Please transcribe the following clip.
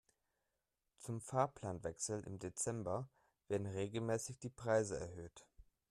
Zum Fahrplanwechsel im Dezember werden regelmäßig die Preise erhöht.